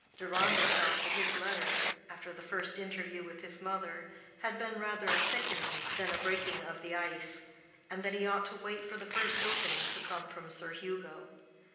Deronda felt that his letter, after the first interview with his mother, had been rather a thickening than a breaking of the ice, and that he ought to wait for the first opening to come from Sir Hugo.